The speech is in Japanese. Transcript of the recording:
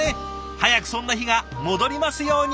早くそんな日が戻りますように。